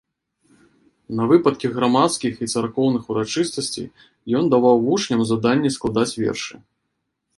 На выпадкі грамадскіх і царкоўных урачыстасцей ён даваў вучням заданні складаць вершы.